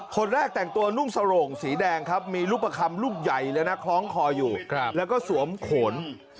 คนแรกแต่งตัวนุ่งสโรงสีแดงครับมีรูปคำลูกใหญ่เลยนะคล้องคออยู่แล้วก็สวมโขน